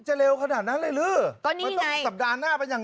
เร็วขนาดนั้นเลยหรือมันต้องมีสัปดาห์หน้าเป็นอย่าง